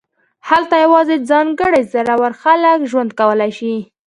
هلته یوازې ځانګړي زړور خلک ژوند کولی شي